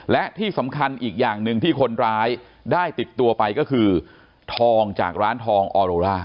และที่สำคัญอีกอย่างหนึ่งที่คนร้ายได้ติดตัวไปก็คือทองจากร้านทองออโรล่า